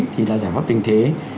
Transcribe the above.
thì là giải pháp tình thế